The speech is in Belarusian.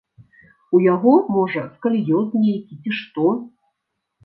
У яго можа скаліёз нейкі ці што.